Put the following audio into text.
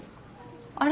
あれ？